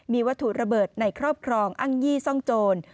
มีวัตถุระเบิดในครอบครองอ้างยี่ซ่องโจร